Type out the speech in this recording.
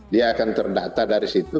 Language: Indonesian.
dia akan terdata dari situ